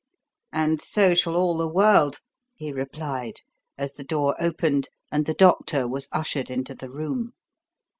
"And so shall all the world," he replied as the door opened and the doctor was ushered into the room.